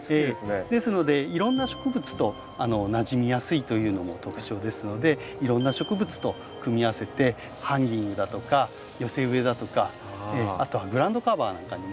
ですのでいろんな植物となじみやすいというのも特徴ですのでいろんな植物と組み合わせてハンギングだとか寄せ植えだとかあとはグラウンドカバーなんかにも。